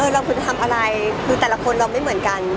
เราควรจะทำอะไรคือแต่ละคนเราไม่เหมือนกัน